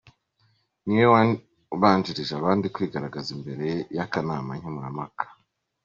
niwe wabanjirije abandi kwigaragaza imbere y’akanama nkemurampaka.